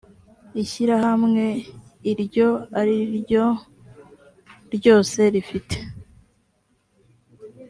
ishyirahamwe iryo ari ryo ryose rifite